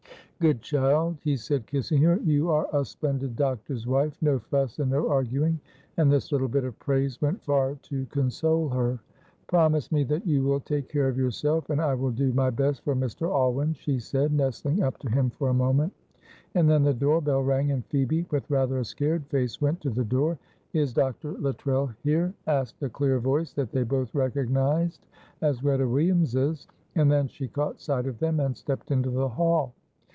"Good child," he said, kissing her. "You are a splendid doctor's wife! No fuss and no arguing." And this little bit of praise went far to console her. "Promise me that you will take care of yourself and I will do my best for Mr. Alwyn," she said, nestling up to him for a moment. And then the door bell rang, and Phoebe, with rather a scared face, went to the door. "Is Dr. Luttrell here?" asked a clear voice that they both recognised as Greta Williams's, and then she caught sight of them and stepped into the hall.